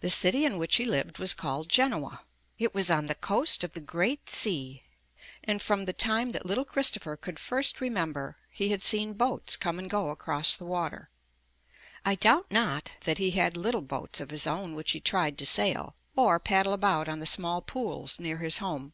The city in which he lived was called Genoa. It was on the coast of the great sea, and from the time that little Christopher could first remember he had seen boats come and go across the water. I doubt not that he had little boats of his own which he tried to sail, or paddle about on the small pools near his home.